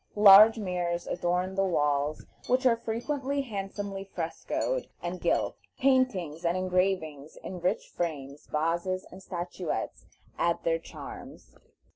Large mirrors adorn the walls, which are frequently handsomely frescoed and gilt. Paintings and engravings in rich frames, vases and statuettes, add their charms.